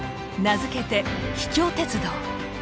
名付けて「秘境鉄道」。